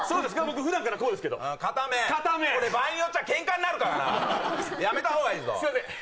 僕普段からこうですけど硬めこれ場合によっちゃケンカになるからなやめた方がいいぞすいません